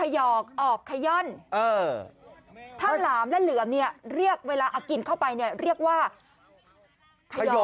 หาผ้ามาไว้ปิดด้วย